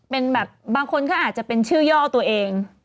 เป็นแบบบางคนก็อาจจะเป็นชื่อย่อตัวเอง